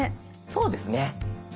そうですね。